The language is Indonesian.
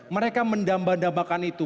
mereka mendambakan itu